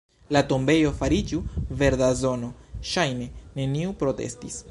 La tombejo fariĝu verda zono; ŝajne neniu protestis.